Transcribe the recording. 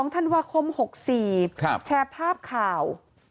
๒ธันวาคม๖๔แชร์ภาพข่าว